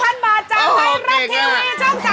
รับไม่ได้๑๐๐๐บาทจากให้รับทีวีช่อง๓๒